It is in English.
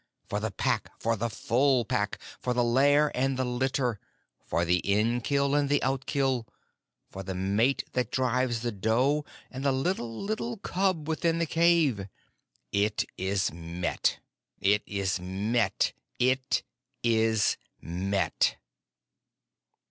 For the Pack for the Full Pack for the lair and the litter; for the in kill and the out kill; for the mate that drives the doe and the little, little cub within the cave; it is met! it is met! it is met!"